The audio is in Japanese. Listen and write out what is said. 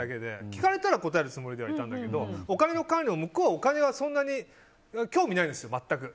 聞かれたら答えるつもりでいたんだけどお金の管理を向こうはお金はそんなに興味ないんです、全く。